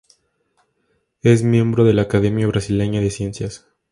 Es miembro de la Academia Brasileña de Ciencias.